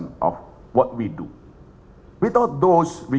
tanpa mereka kita tidak bisa bergerak